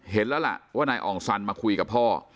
เห็นแล้วล่ะว่านายอ่องซันมาคุยกับพ่อ